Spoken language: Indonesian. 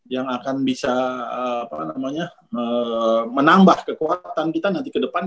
yang akan bisa menambah kekuatan kita nanti ke depan